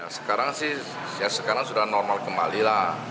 sekarang sih ya sekarang sudah normal kembalilah